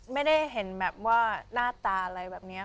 ไม่ได้เห็นแบบว่าหน้าตาอะไรแบบนี้